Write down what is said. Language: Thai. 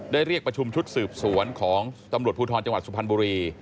เรียกประชุมชุดสืบสวนของตำรวจภูทรจังหวัดสุพรรณบุรี